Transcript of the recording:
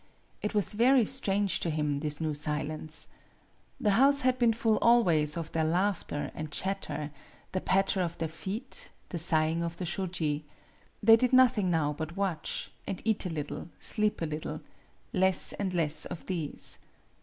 It was very strange to him, this new silence. The house had been full always of their laughter and chatter the patter of their feet the sighing of the shoji. They did nothing now but watch and eat a little, sleep a little less and less of these.